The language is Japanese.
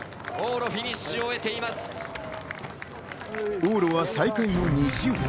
往路は最下位の２０位。